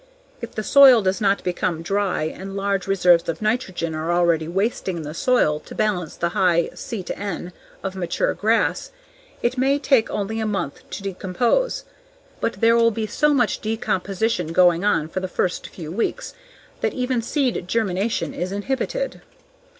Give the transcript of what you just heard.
If the soil does not become dry and large reserves of nitrogen are already waiting in the soil to balance the high C/N of mature grass, it may take only a month to decompose But there will be so much decomposition going on for the first few weeks that even seed germination is inhibited.